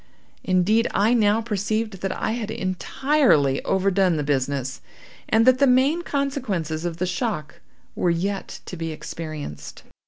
Indeed, I now perceived that I had entirely overdone the business, and that the main consequences of the shock were yet to be experienced.